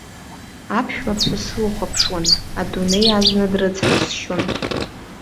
Аԥшәмаԥҳәыс слыхәаԥшуан, адунеи азна дрыцҳасшьон.